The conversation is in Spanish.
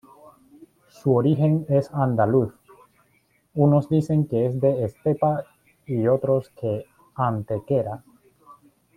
Su origen es andaluz, unos dicen que de Estepa y otros de Antequera.